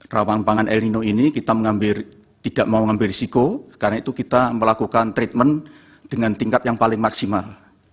rawan pangan el nino ini kita tidak mau mengambil risiko karena itu kita melakukan treatment dengan tingkat yang paling maksimal